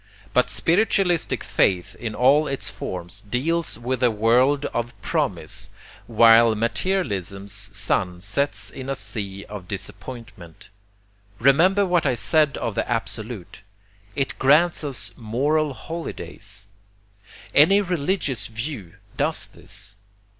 But spiritualistic faith in all its forms deals with a world of PROMISE, while materialism's sun sets in a sea of disappointment. Remember what I said of the Absolute: it grants us moral holidays. Any religious view does this.